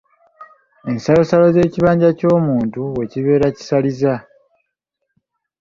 Ensalosalo z’ekibanja ky’omuntu we kibeera kisaliza.